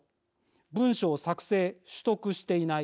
文書を作成、取得していない。